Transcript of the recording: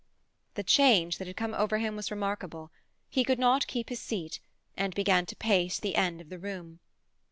The change that had come over him was remarkable. He could not keep his seat, and began to pace the end of the room.